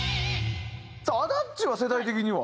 さああだっちぃーは世代的には？